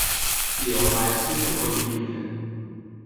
Io ha essite colligite.